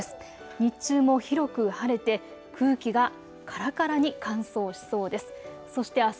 日中も広く晴れて、空気がからからに乾燥しそうです。